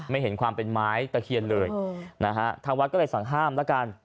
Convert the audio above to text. ไม่เห็นความเป็นไม้ตะเคียนเลยนะฮะทางวัดก็เลยสั่งห้ามแล้วกัน